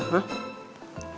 tau kena angin apa